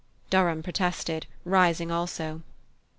Durham protested, rising also.